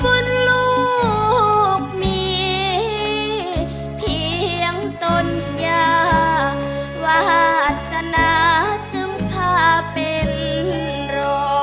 ลูกมีเพียงต้นยางวาสนาจึงพาเป็นรอ